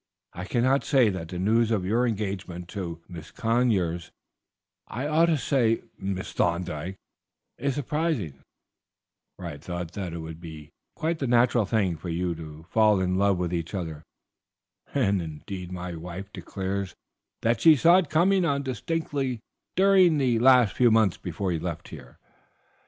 I cannot say that the news of your engagement to Miss Conyers I ought to say Miss Thorndyke is surprising, for I had thought that it would be quite the natural thing for you to fall in love with each other, and, indeed, my wife declares that she saw it coming on distinctly during the last few months before you left here.